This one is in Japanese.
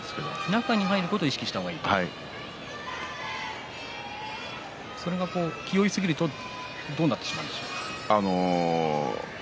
中に入ることを意識した方がいいとそれが気負いすぎるとどうなるでしょう。